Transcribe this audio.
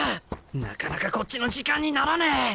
なかなかこっちの時間にならねえ！